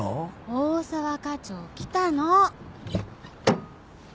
大沢課長来たの。